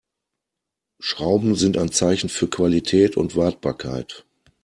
Schrauben sind ein Zeichen für Qualität und Wartbarkeit.